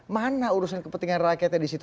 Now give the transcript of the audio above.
mana urusan kepentingan rakyatnya di situ